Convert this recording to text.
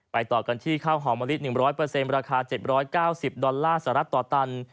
ต่อกันที่ข้าวหอมมะลิ๑๐๐ราคา๗๙๐ดอลลาร์สหรัฐต่อตัน